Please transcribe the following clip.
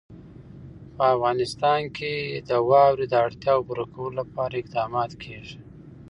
په افغانستان کې د واوره د اړتیاوو پوره کولو لپاره اقدامات کېږي.